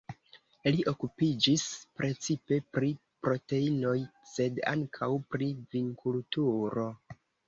Li okupiĝis precipe pri proteinoj, sed ankaŭ pri vinkulturo.